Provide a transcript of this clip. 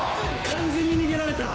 完全に逃げられた。